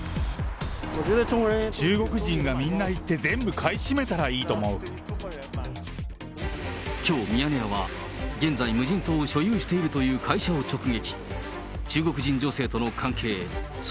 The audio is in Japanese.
中国人がみんな行って、きょう、ミヤネ屋は現在、無人島を所有しているという会社を直撃。